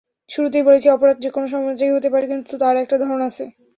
শুরুতেই বলেছি, অপরাধ যেকোনো সমাজেই হতে পারে, কিন্তু তার একটা ধরন আছে।